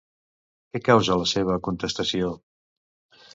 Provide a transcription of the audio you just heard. Què causa la seva contestació?